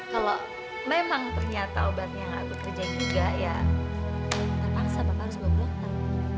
kalau memang ternyata obatnya nggak bekerja juga ya nanti panas bapak harus bawa ke dokter